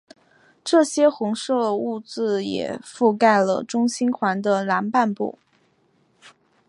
这些红色物质也覆盖了中心环的南半部。